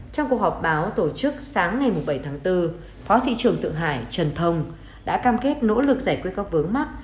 trong cuộc họp báo tổ chức sáng ngày bảy tháng bốn phó thị trường thượng hải trần thông đã cam kết nỗ lực giải quyết các vướng mắt